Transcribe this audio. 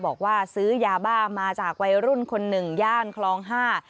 บอกว่าซื้อยาบ้ามาจากวัยรุ่นคนหนึ่งย่านคลองห้า